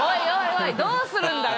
おいどうするんだよ。